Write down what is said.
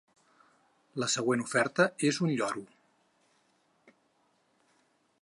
La següent oferta és un lloro.